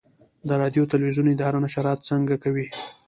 د راډیو تلویزیون اداره نشرات څنګه کوي؟